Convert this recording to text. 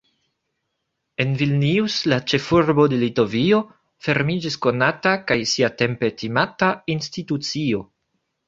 En Vilnius, la ĉefurbo de Litovio, fermiĝis konata – kaj siatempe timata – institucio.